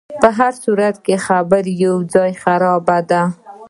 په هرصورت خبره یو ځای خرابه ده.